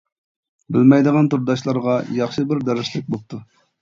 بىلمەيدىغان تورداشلارغا ياخشى بىر دەرسلىك بوپتۇ.